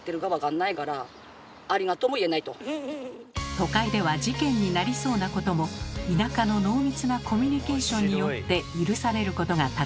都会では事件になりそうなことも田舎の濃密なコミュニケーションによって許されることがたくさんあるようです。